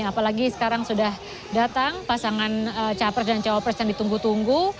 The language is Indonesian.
apalagi sekarang sudah datang pasangan capres dan cawapres yang ditunggu tunggu